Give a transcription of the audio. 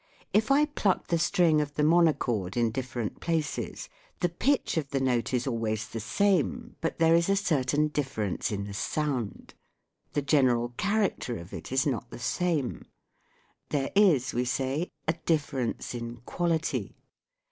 If I pluck the string of the monochord in different places, the pitch of the note is always the same, but there is a certain difference in the sound : the general character of it is not the same ; there is, we say, " a difference in quality."